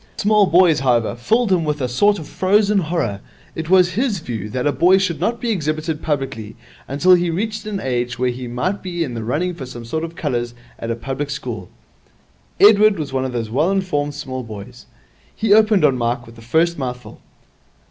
Small boys, however, filled him with a sort of frozen horror. It was his view that a boy should not be exhibited publicly until he reached an age when he might be in the running for some sort of colours at a public school. Edward was one of those well informed small boys. He opened on Mike with the first mouthful.